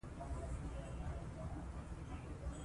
په روغتونونو کې عصري وسایل موجود وي.